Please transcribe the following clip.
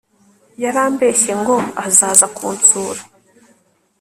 yarambeshye ngo azaza kunsura